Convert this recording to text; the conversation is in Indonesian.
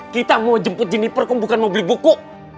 kita mau jemput jennifer kum bukan mau beli buku